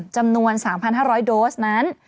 จำนวน๓๕๐๐โดสนั้น